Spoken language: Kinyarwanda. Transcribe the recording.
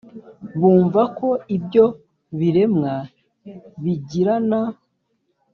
bumva ko ibyo biremwa bigirana